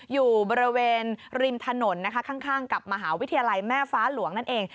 อยู่บริเวณริมถนนนะคะข้างกับมหาวิทยาลัยแม่ฟ้าหลวงนั่นเอง